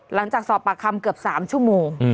หลังจากสอบปากคำเกือบ๓ชั่วโมง